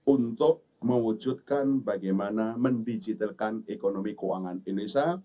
untuk mewujudkan bagaimana mendigitalkan ekonomi keuangan indonesia